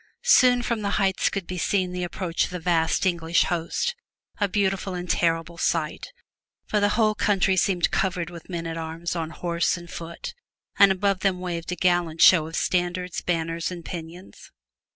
Soon from the heights could be seen the approach of the vast English host, a beautiful and terrible sight, for the whole country seemed covered with men at arms on horse and foot, and above them waved a gallant show of standards, banners and pennons.